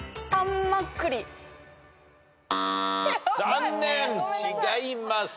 残念違います。